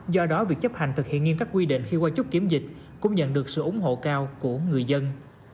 do đó việc chấp hành thực hiện nghiêm các quy định khi qua chốt kiểm dịch cũng nhận được sự ủng hộ cao của người dân